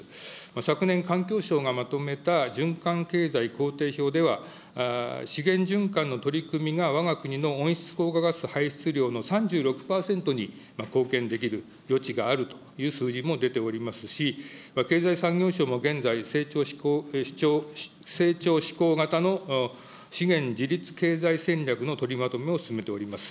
昨年、環境省がまとめた循環経済工程表では、資源循環の取り組みがわが国の温室効果ガス排出量の３６％に貢献できる余地があるという数字も出ておりますし、経済産業省も現在、成長志向型の資源自立経済戦略の取りまとめを進めております。